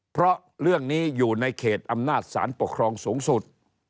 เพราะเรื่องนี้อยู่ในเขตอำนาจสารปกครองสูงสุด